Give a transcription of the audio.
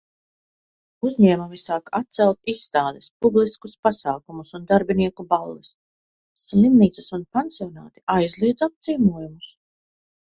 Uzņēmumi sāk atcelt izstādes, publiskus pasākumus un darbinieku balles. Slimnīcas un pansionāti aizliedz apciemojumus.